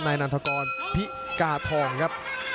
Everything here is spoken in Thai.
นันทกรพิกาทองครับ